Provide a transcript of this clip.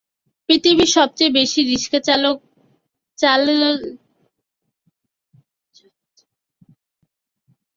পৃথিবীর সবচেয়ে বেশি রিকশা চলাচল করে ঢাকায়।